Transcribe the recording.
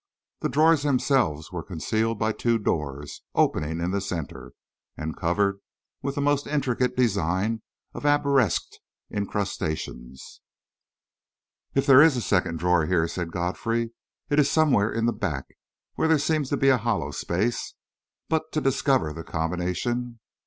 The drawers themselves were concealed by two doors, opening in the centre, and covered with a most intricate design of arabesqued incrustations. "If there is a secret drawer here," said Godfrey, "it is somewhere in the back, where there seems to be a hollow space. But to discover the combination...."